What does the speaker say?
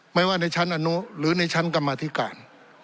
ไม่ว่าในชั้นอนุหรือในชั้นกรรมธิการ